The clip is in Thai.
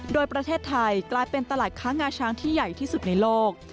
โดยประเทศไทยกลายเป็นตลาดค้างงาช้างที่ใหญ่ที่สุดในโลก